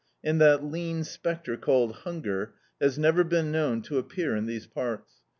And that lean spectre, called Himger, has never been known to appear in these parts.